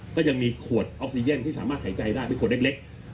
ก็ยังมีขวดออกซีเย็นที่สามารถหายใจได้เป็นขวดเล็ก